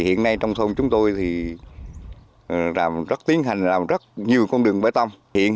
hiện nay trong thôn chúng tôi tiến hành làm rất nhiều con đường bê tông